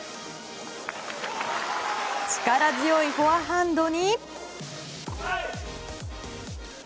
力強いフォアハンドに。